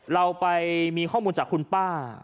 เราไปมีข้อมูลจากคุณป้า